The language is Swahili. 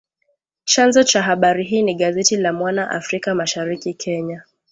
Chanzo cha habari hii ni gazeti la Mwana Afrika Mashariki, Kenya